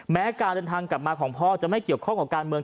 แม้การเดินทางกลับมาของพ่อจะไม่เกี่ยวข้องกับการเมือง